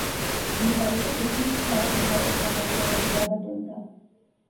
ლიპარიტი თითქმის მთელ აღმოსავლეთ საქართველოში გაბატონდა.